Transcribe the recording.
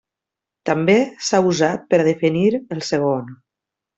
També s'ha usat per a definir el segon.